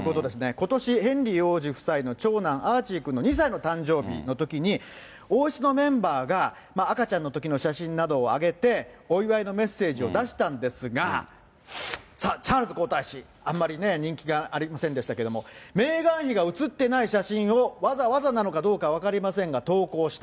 ことし、ヘンリー王子夫妻の長男、アーチー君の２歳の誕生日ということで、王室のメンバーが赤ちゃんのときの写真などを上げて、お祝いのメッセージを出したんですが、さあ、チャールズ皇太子、あんまりね、人気がありませんでしたけども、メーガン妃が写ってない写真をわざわざなのかどうか分かりませんが、投稿した。